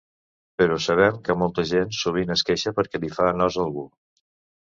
Però sabem que molta gent sovint es queixa perquè li fa nosa algú.